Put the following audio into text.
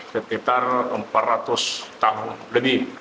sekitar empat ratus tahun lebih